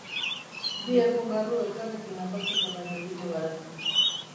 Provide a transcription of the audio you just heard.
Bi egun barru elkarrekin afaltzekotan gelditu gara.